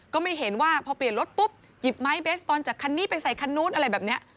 ก็ไม่เห็นว่าพอเปลี่ยนรถปุ๊บหยิบไม้เบสบอลจากคันนี้ไปใส่คันนู้นอะไรแบบนี้